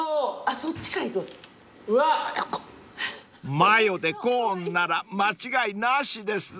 ［マヨでコーンなら間違いなしですね］